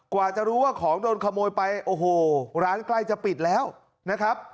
กว่าจะรู้ว่าของโดนขโมยไปโอ้โหร้านใกล้จะปิดแล้วนะครับ